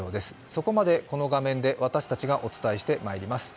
そこまで、この画面で私たちがお伝えしてまいります。